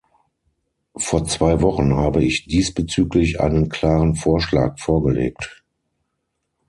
Vor zwei Wochen habe ich diesbezüglich einen klaren Vorschlag vorgelegt.